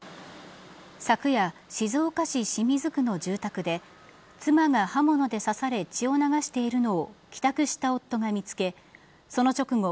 昨夜、静岡市清水区の住宅で妻が刃物で刺され血を流しているのを帰宅した夫が見つけその直後